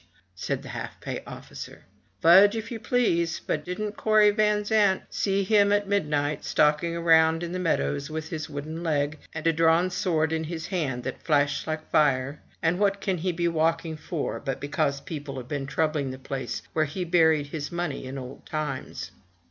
'' said the half pay officer. "Fudge, if you please! — But didn't Corney Van Zandt see him at midnight, stalking about in the meadow with his wooden leg, and a drawn sword in his hand, that flashed like fire? And what can he be walking for, but because people have been troubling the place where he buried his money in old times?"